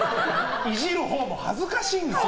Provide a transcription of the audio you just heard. イジるほうも恥ずかしいんですよ。